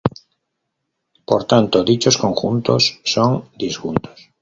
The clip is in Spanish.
Por tanto, dichos conjuntos son disjuntos.